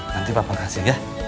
nanti papa kasih ya